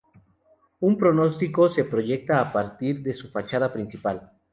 Un pórtico se proyecta a partir de su fachada principal.